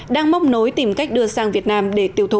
đang móc nối tìm cách đưa sang việt nam để tiêu thụ